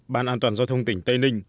ban an toàn giao thông tỉnh tây ninh